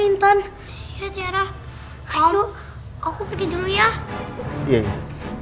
intan ya tiara aku pergi dulu ya iya